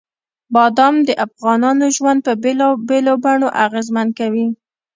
بادام د افغانانو ژوند په بېلابېلو بڼو اغېزمن کوي.